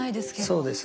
そうですね。